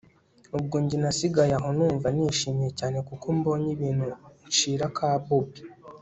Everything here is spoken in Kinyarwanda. ubwo njye nasigaye aho numva nishimye cyane kuko mbonye ibintu nshira ka bobi